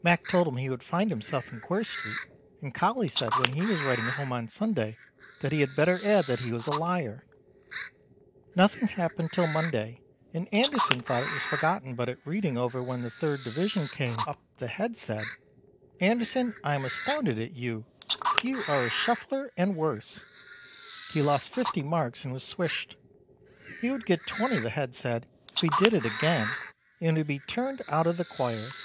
Mac told him he would find himself in Queer Street and Colly said when he was writing home on Sunday that he had better add that he was a liar. Nothing hapened till Monday and Anderson thought it was forgoten but at reading over when the 3nd Div came up the Head said: "Anderson I am astounded at you; you are a shufler and worse." He lost 50 marks and was swished. He would get 20 the head said if he did it again and he would be turned out of the choir.